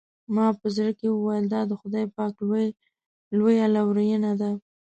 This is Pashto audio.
ما په زړه کې وویل دا د خدای پاک لویه لورېینه ده.